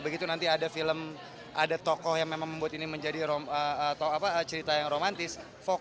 begitu nanti ada film ada tokoh yang memang membuat ini menjadi cerita yang romantis